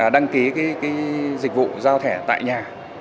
đăng ký dịch vụ giao thẻ tại nhà